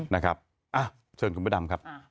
นะครับเชิญคุณพระดำครับ